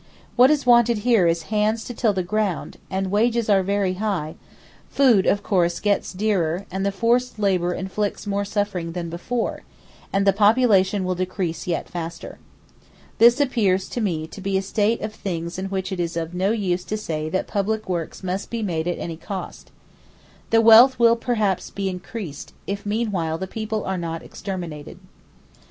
What is wanted here is hands to till the ground, and wages are very high; food, of course, gets dearer, and the forced labour inflicts more suffering than before, and the population will decrease yet faster. This appears to me to be a state of things in which it is no use to say that public works must be made at any cost. The wealth will perhaps be increased, if meanwhile the people are not exterminated.